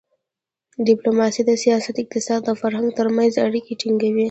ډیپلوماسي د سیاست، اقتصاد او فرهنګ ترمنځ اړیکه ټینګوي.